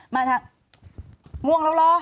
มาครับม่วงแล้วรอ